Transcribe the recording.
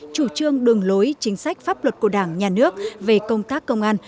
chủ trương đường lối chính sách pháp luật của đảng nhà nước về công tác công an